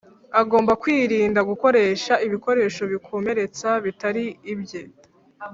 agomba kwirinda gukoresha ibikoresho bikomeretsa bitari ibye